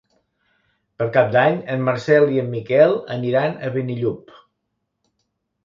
Per Cap d'Any en Marcel i en Miquel aniran a Benillup.